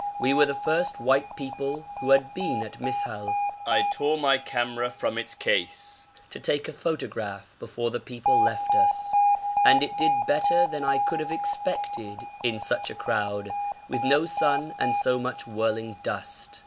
We were the first white people who had been at Mis'hal. I tore my camera from its case to take a photograph before the people left us, and it did better than I could have expected in such a crowd, with no sun and so much whirling dust.